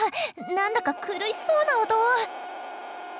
なんだか苦しそうな音！